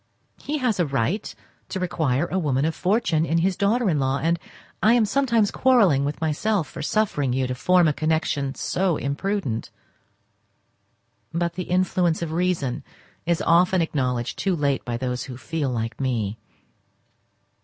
He has a right to require a woman of fortune in his daughter in law, and I am sometimes quarrelling with myself for suffering you to form a connection so imprudent; but the influence of reason is often acknowledged too late by those who feel like me.